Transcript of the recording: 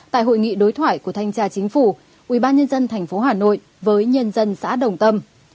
tại hội nghị đối thoại của thanh tra chính phủ ubnd tp hà nội với nhân dân xã đồng tâm